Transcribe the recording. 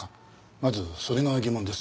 まずそれが疑問です。